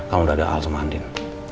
kalau udah ada hal sama andin